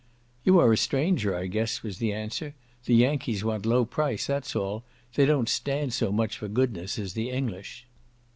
"You are a stranger, I guess," was the answer. "The Yankees want low price, that's all; they don't stand so much for goodness as the English."